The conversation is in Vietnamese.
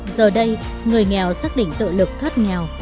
giờ đây người nghèo xác định tự lực thoát nghèo